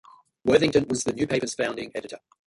Worthington was the new paper's founding editor.